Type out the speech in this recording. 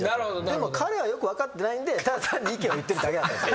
でも彼はよく分かってないんでただ単に意見を言ってるだけだったんですよ。